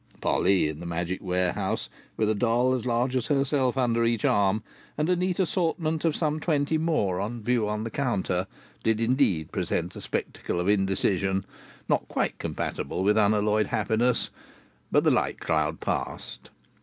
Polly in the magic warehouse, with a doll as large as herself under each arm, and a neat assortment of some twenty more on view upon the counter, did indeed present a spectacle of indecision not quite compatible with unalloyed happiness, but the light cloud passed.